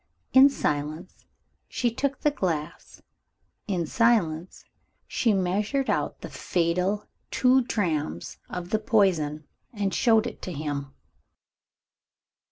In silence, she took the glass; in silence, she measured out the fatal two drachms of the poison, and showed it to him.